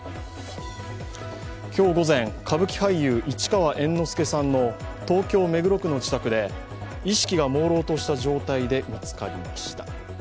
今日午前、歌舞伎俳優市川猿之助さんの東京・目黒区の自宅で意識がもうろうとした状態で見つかりました。